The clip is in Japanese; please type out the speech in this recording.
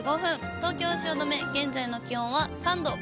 東京・汐留、現在の気温は３度。